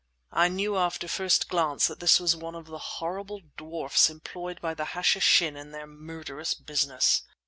I knew after first glance that this was one of the horrible dwarfs employed by the Hashishin in their murderous business.